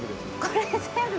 これ全部？